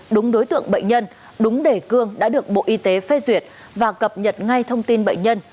đúng đối tượng bệnh nhân đúng đề cương đã được bộ y tế phê duyệt và cập nhật ngay thông tin bệnh nhân